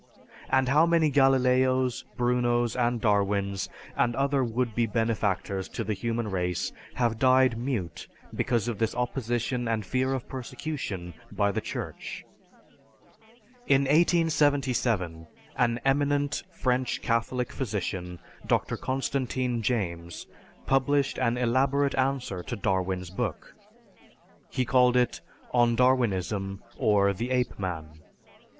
And how many Galileos, Brunos, and Darwins, and other would be benefactors to the human race have died mute because of this opposition and fear of persecution by the Church? In 1877, an eminent French Catholic physician, Dr. Constantin James, published an elaborate answer to Darwin's book. He called it, "On Darwinism, or the Ape Man."